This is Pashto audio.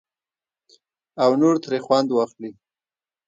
او نور ترې خوند واخلي.